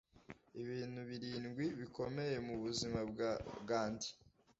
Ibintu birindwi bikomeye mu buzima bwa Gandhi